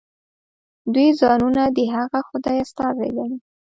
دوی ځانونه د هغه خدای استازي ګڼي.